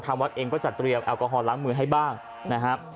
ทางวัดเองก็จะเตรียมแอลกอฮอล์ล้ำมือให้บ้างนะฮะ